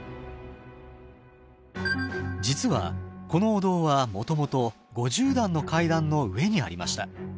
実はこのお堂はもともと５０段の階段の上にありました。